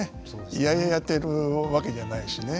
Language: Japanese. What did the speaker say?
嫌々やっているわけじゃないしね。